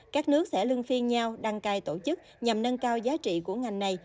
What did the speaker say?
các nước sẽ lưng phiên nhau đăng cai tổ chức nhằm nâng cao giá trị của ngành này